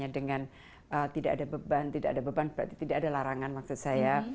dengan tidak ada beban tidak ada larangan maksud saya